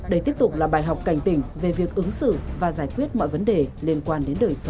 đây tiếp tục là bài học cảnh tỉnh về việc ứng xử và giải quyết mọi vấn đề liên quan đến đời sống